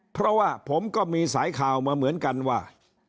เพราะว่าผมก็มีสายข่าวมาเหมือนกันว่า